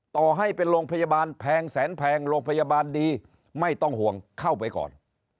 ต่อให้เป็นโรงพยาบาลแพงแสนแพงโรงพยาบาลดีไม่ต้องห่วงเข้าไปก่อน